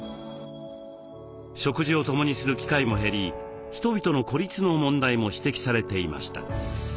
食事を共にする機会も減り人々の孤立の問題も指摘されていました。